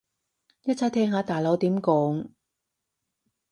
一齊聽下大佬點講